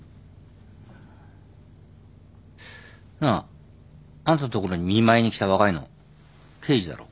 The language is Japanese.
なああんたの所に見舞いに来た若いの刑事だろ？